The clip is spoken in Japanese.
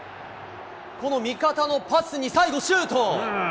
この味方のパスに最後シュート。